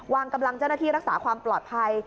วางกำลังเจ้าหน้าที่รักษาความปลอดภัย